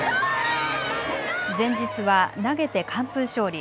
前日は投げて完封勝利。